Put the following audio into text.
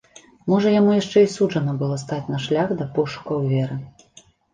Можа яму яшчэ і суджана было стаць на шлях да пошукаў веры.